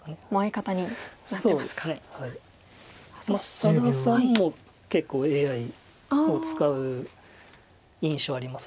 佐田さんも結構ＡＩを使う印象あります。